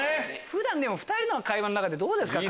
普段２人の会話でどうですか？